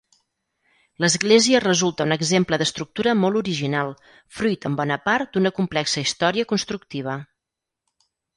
L'església resulta un exemple d'estructura molt original, fruit en bona part d'una complexa història constructiva.